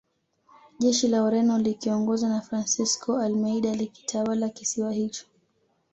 Jeshi la Ureno likiongozwa na Francisco Almeida lilikitawala kisiwa hicho